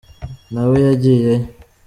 nawe yagiyeyo.